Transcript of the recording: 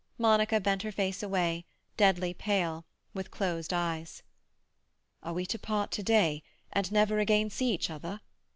Monica bent her face away, deadly pale, with closed eyes. "Are we to part to day, and never again see each other?"